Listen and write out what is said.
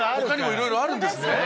いろいろあるんですね。